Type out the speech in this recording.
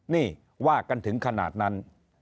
นี่ว่ากันถึงขนาดนั้น